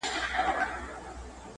دومره مینه او عزت راکړ